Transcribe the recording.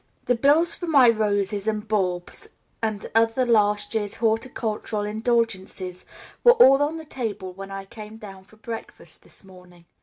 The bills for my roses and bulbs and other last year's horticultural indulgences were all on the table when I came down to breakfast this morning.